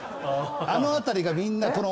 あの辺りがみんな。